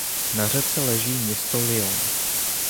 Na řece leží město Lyon.